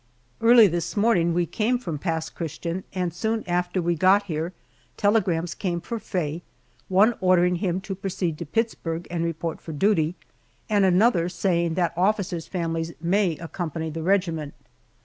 Early this morning we came from Pass Christian, and soon after we got here telegrams came for Faye, one ordering him to proceed to Pittsburg and report for duty, and another saying that officers' families may accompany the regiment.